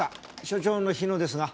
所長の日野ですが。